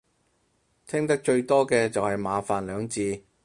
聽得最多嘅就係麻煩兩字